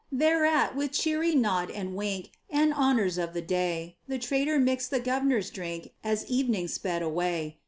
Thereat, with cheery nod and wink, And honors of the day, The trader mixed the Governor's drink As evening sped away.